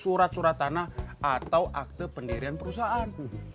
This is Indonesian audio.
surat surat tanah atau akte pendirian perusahaan